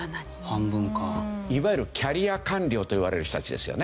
いわゆるキャリア官僚といわれる人たちですよね。